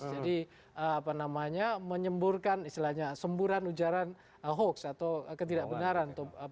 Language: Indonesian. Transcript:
jadi apa namanya menyemburkan istilahnya semburan ujaran hoaks atau ketidakbenaran